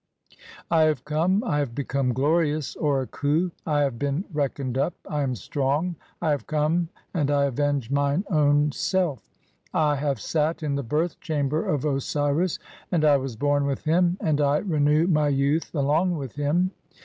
I have come, I have become glorious (or a Klin), I have "been reckoned up, I am strong, I have come and I avenge mine "own self. (7) I have sat in the birth chamber of Osiris, and I "was born with him, and I renew my youth along with him.